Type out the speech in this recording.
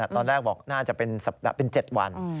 ตอนแรกบอกน่าจะเป็น๗วัน